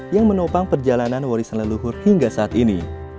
yang menopang perjalanan warisan leluhur hingga saat ini